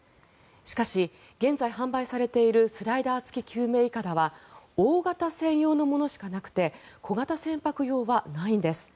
しかし現在、販売されているスライダー付き救命いかだは大型船用のものしかなくて小型船舶用はないんです。